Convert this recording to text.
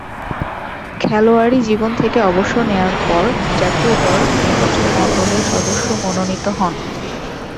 খেলোয়াড়ী জীবন থেকে অবসর নেয়ার পর জাতীয় দল নির্বাচকমণ্ডলীর সদস্য মনোনীত হন।